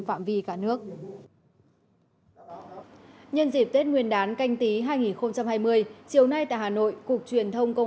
phạm vi cả nước nhân dịp tết nguyên đán canh tí hai nghìn hai mươi chiều nay tại hà nội cục truyền thông công